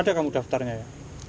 ada kamu daftarnya ya